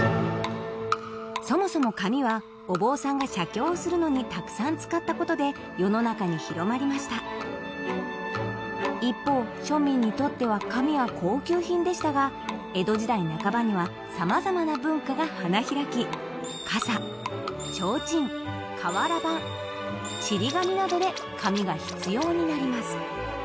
そもそも紙はお坊さんが写経をするのにたくさん使ったことで世の中に広まりました一方庶民にとっては紙は高級品でしたが江戸時代半ばには様々な文化が花開き傘ちょうちん瓦版ちり紙などで紙が必要になります